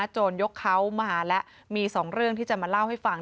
โจรยกเขามาแล้วมี๒เรื่องที่จะมาเล่าให้ฟัง